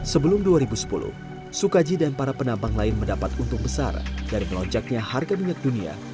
sebelum dua ribu sepuluh sukaji dan para penambang lain mendapat untung besar dari melonjaknya harga minyak dunia